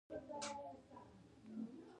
دا کار باید د ډیموکراتیکو ځواکونو په وس کې وي.